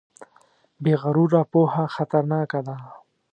بې غروره پوهه خطرناکه ده.